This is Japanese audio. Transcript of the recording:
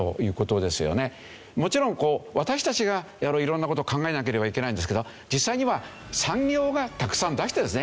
もちろん私たちが色んな事を考えなければいけないんですけど実際には産業がたくさん出してるんですね。